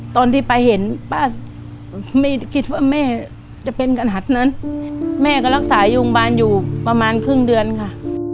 ตอนที่ไปเห็นป้าไม่คิดว่าแม่จะเป็นกระหัดนั้นแม่ก็รักษาอยู่โรงพยาบาลอยู่ประมาณครึ่งเดือนค่ะ